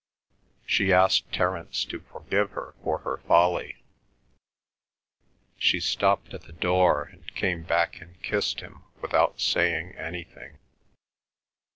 She asked Terence to forgive her for her folly. She stopped at the door and came back and kissed him without saying anything.